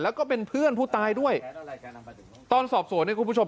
แล้วก็เป็นเพื่อนผู้ตายด้วยตอนสอบสวนเนี่ยคุณผู้ชม